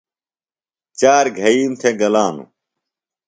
چار گھئیم تھےۡ گلانوۡ۔